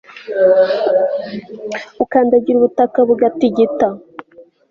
ukandagira ubutaka bugatigita